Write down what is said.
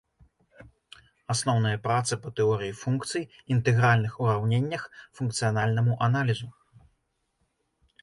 Асноўныя працы па тэорыі функцый, інтэгральных ураўненнях, функцыянальнаму аналізу.